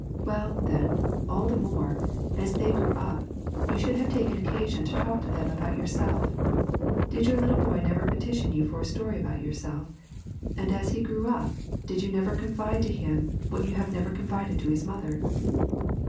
well, then, all the more, as they grew up, you should have taken occasion to talk to them about yourself. Did your little boy never petition you for a story about yourself; and as he grew up did you never confide to him what you have never confided to his mother?